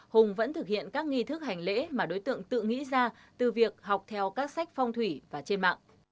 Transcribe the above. hùng vẫn thực hiện các nghi thức hành lễ mà đối tượng tự nghĩ ra từ việc học theo các sách phong thủy và trên mạng